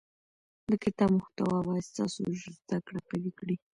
د کتاب محتوا باید ستاسو زده کړه قوي کړي.